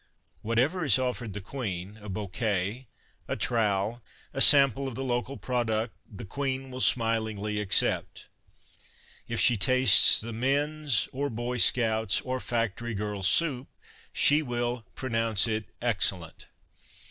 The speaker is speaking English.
Whatever is offered the Queen, a bouquet, a trowel, a sample of the local product the Queen will " smilingly accept." If she tastes the men's (or boy seouts' or factory girls') soup, she will " pronounce it excellent."